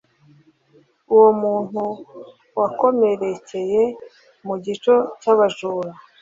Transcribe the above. uwo umuntu wakomerekeye mu gico cy'abajura